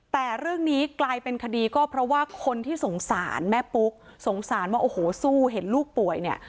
แต่เรื่องนี้กลายเป็นคดีก็เพราะว่าคนที่สงสารแม่ปุ๊กสงสารว่าโอ้โหสู้เห็นลูกป่วยเนี่ย